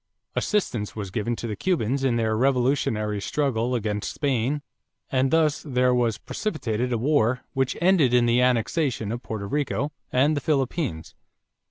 Assistance was given to the Cubans in their revolutionary struggle against Spain and thus there was precipitated a war which ended in the annexation of Porto Rico and the Philippines.